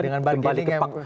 dengan bagian yang